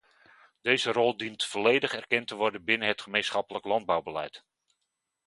Deze rol dient volledig erkend te worden binnen het gemeenschappelijk landbouwbeleid.